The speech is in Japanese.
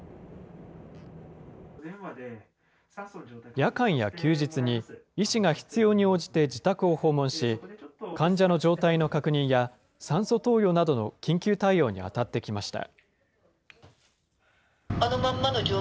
夜間や休日に医師が必要に応じて自宅を訪問し、患者の状態の確認や酸素投与などの緊急対応に当たってきました。